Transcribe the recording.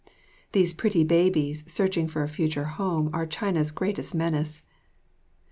These pretty babies searching for a future home are China's greatest menace.